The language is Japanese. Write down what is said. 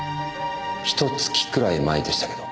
ひと月くらい前でしたけど。